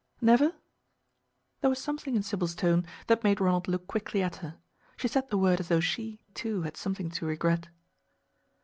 "Never?" There was something in Sybil's tone that made Ronald look quickly at her. She said the word as though she, too, had something to regret.